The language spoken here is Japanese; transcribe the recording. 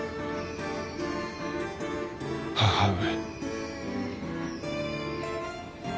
母上。